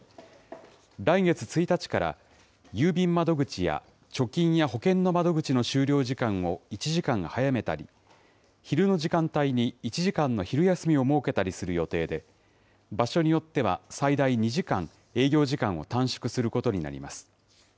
来月１日から、郵便窓口や貯金や保険の窓口の終了時間を１時間早めたり、昼の時間帯に１時間の昼休みを設けたりする予定で、場所によっては最大２時間、営業時間を短縮することになります。